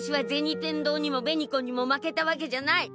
天堂にも紅子にも負けたわけじゃない！